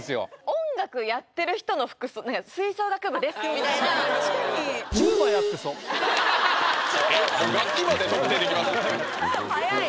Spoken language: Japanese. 音楽やってる人の服装何か「吹奏楽部です」みたいな確かに楽器まで特定できます早い！